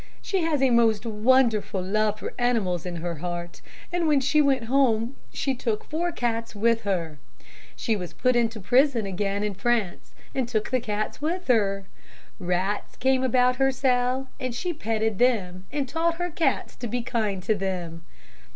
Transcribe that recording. She has a most wonderful love for animals in her heart, and when she went home she took four cats with her. She was put into prison again in France and took the cats with her. Rats came about her cell and she petted them and taught her cats to be kind to them.